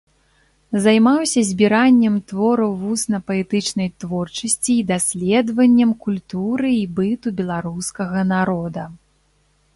Займаўся збіраннем твораў вусна-паэтычнай творчасці і даследаваннем культуры і быту беларускага народа.